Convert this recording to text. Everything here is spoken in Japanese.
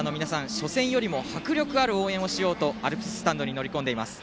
初戦よりも迫力のある応援をしようとアルプススタンドに乗り込んでいます。